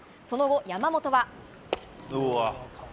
その後、山本は。